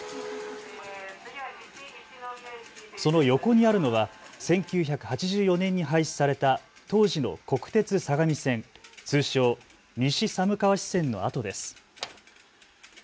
その横にあるのは１９８４年に廃止された当時の国鉄相模線通称、西寒川支線の跡です。